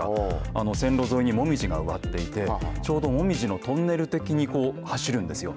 あの線路沿いにもみじが植わっていて、ちょうどもみじのトンネル的に、こう走るんですよ。